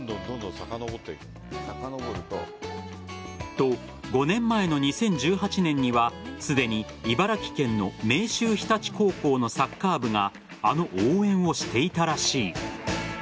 と、５年前の２０１８年にはすでに茨城県の明秀日立高校のサッカー部があの応援をしていたらしい。